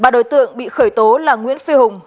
ba đối tượng bị khởi tố là nguyễn phi hùng